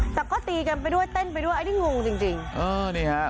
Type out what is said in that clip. แต่ก็ตีกันไปด้วยเต้นไปด้วยอันนี้งงจริงจริงเออนี่ฮะ